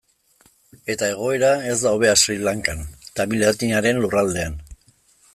Eta egoera ez da hobea Sri Lankan, tamil etniaren lurraldean.